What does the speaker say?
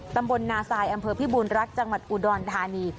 ตำบลนาซายอำเภอพิบูรณรักจังหวัดอุดรธานี